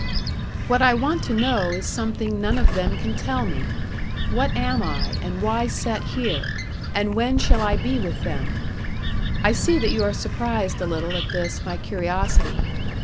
'What I want to know is something none of them can tell me what am I, and why set here, and when shall I be with them? I see that you are surprised a little at this my curiosity.